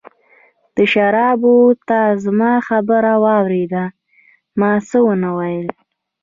د شرابو، تا زما خبره واورېده، ما څه ونه ویل.